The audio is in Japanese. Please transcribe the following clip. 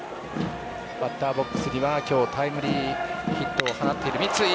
バッターボックスには今日タイムリーヒットを放っている三井。